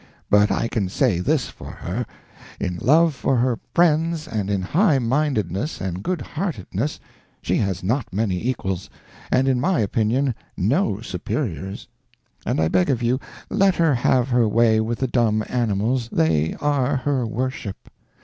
But I can say this for her: in love for her friends and in high mindedness and good heartedness she has not many equals, and in my opinion no superiors. And I beg of you, let her have her way with the dumb animals—they are her worship.